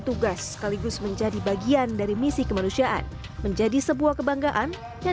tugas sekaligus menjadi bagian dari misi kemanusiaan menjadi sebuah kebanggaan dan